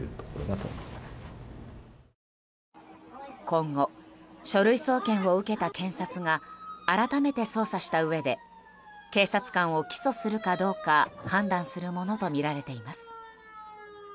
今後、書類送検を受けた検察が改めて捜査したうえで警察官を起訴するかどうか判断するものとみられています。